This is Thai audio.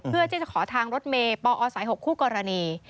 เพื่อที่จะขอทางรถเมย์ปอสาย๖คู่กรณี